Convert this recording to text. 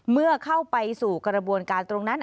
เมื่อเข้าไปสู่กระบวนการตรงนั้น